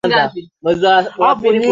a ni siku ya tatu ya ziara yake nchini humo